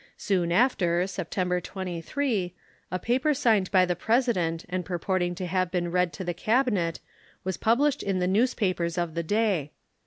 Soon after, September 23, a paper signed by the President and purporting to have been read to the Cabinet was published in the newspapers of the day.